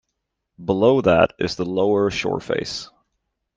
Below that is the lower shoreface.